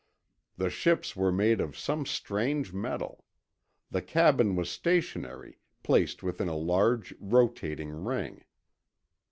The ships were made of some strange metal. The cabin was stationary, placed within a large rotating ring.